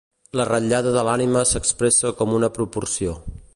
La ratllada de l'ànima s'expressa com una proporció.